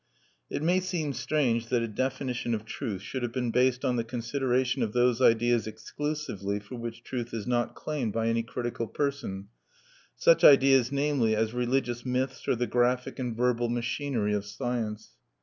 It may seem strange that a definition of truth should have been based on the consideration of those ideas exclusively for which truth is not claimed by any critical person, such ideas, namely, as religious myths or the graphic and verbal machinery of science.